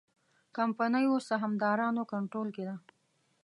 کمپنیو سهامدارانو کنټرول کې ده.